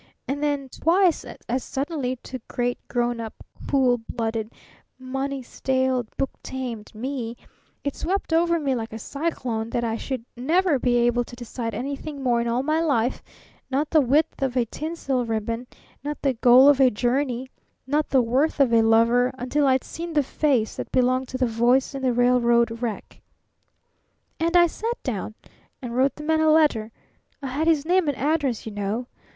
And then, twice as suddenly, to great, grown up, cool blooded, money staled, book tamed me it swept over me like a cyclone that I should never be able to decide anything more in all my life not the width of a tinsel ribbon, not the goal of a journey, not the worth of a lover until I'd seen the Face that belonged to the Voice in the railroad wreck. "And I sat down and wrote the man a letter I had his name and address, you know.